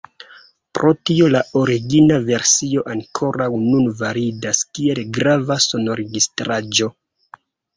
Pro tio la origina versio ankoraŭ nun validas kiel grava sonregistraĵo.